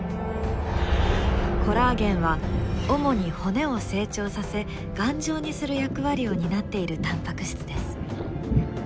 コラーゲンは主に骨を成長させ頑丈にする役割を担っているタンパク質です。